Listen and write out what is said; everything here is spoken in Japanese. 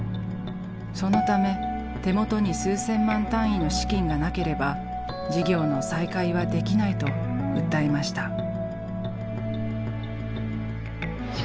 そのため手元に数千万単位の資金がなければ事業の再開はできないと訴えました。